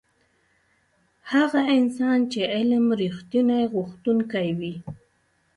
هغه انسان چې علم رښتونی غوښتونکی وي.